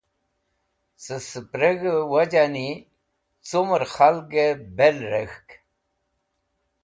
Cẽ sẽpreg̃hẽ wijani cumẽr khalgẽ bel rekhk.